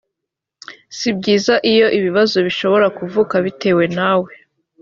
si byiza iyo ibibazo bishobora kuvuka bitewe nawe